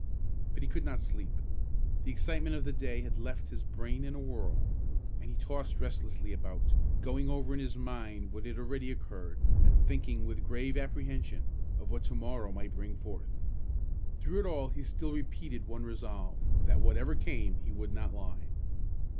But he could not sleep. The excitement of the day had left his brain in a whirl, and he tossed restlessly about, going over in his mind what had already occurred, and thinking with grave apprehension of what to morrow might bring forth. Through it all he still repeated one resolve: that whatever came he would not lie.